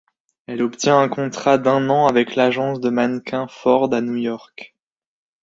Elle obtient un contrat d'un an avec l'agence de mannequins Ford à New York.